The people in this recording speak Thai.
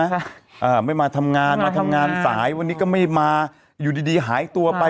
อ่าไม่มาทำงานมาทำงานสายวันนี้ก็ไม่มาอยู่ดีดีหายตัวไป